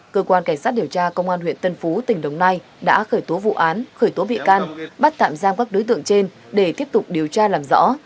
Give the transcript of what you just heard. cơ quan cảnh sát điều tra công an huyện tân phú tỉnh đồng nai đã khởi tố vụ án khởi tố bị can bắt tạm giam các đối tượng trên để tiếp tục điều tra làm rõ